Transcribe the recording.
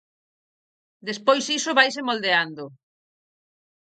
Despois iso vaise moldeando.